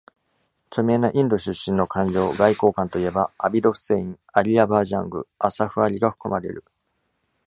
著名なインド出身の官僚、外交官といえば、アビド・フセイン、アリ・ヤバー・ジャング、アサフ・アリが含まれる。